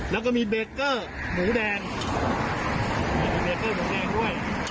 แล้วก็มีเบเกอร์หมูแดงมีเบเกอร์หมูแดงด้วย